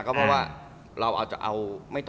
ก็เพราะว่าเราจะเอา